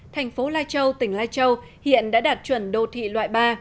thành phố lai châu tỉnh lai châu hiện đã đạt chuẩn đô thị loại ba